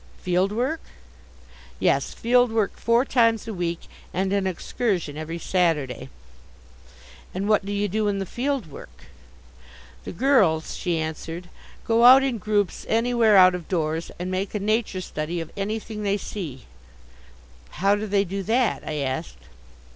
"Field Work?" "Yes. Field Work four times a week and an Excursion every Saturday." "And what do you do in the Field Work?" "The girls," she answered, "go out in groups anywhere out of doors, and make a Nature Study of anything they see." "How do they do that?" I asked.